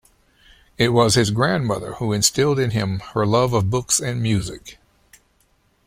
It was his grandmother who instilled in him her love of books and music.